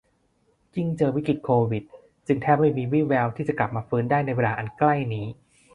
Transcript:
ยิ่งเจอวิกฤตโควิด จึงแทบไม่มีวี่แววที่จะกลับมาฟื้นได้ในเวลาอันใกล้นี้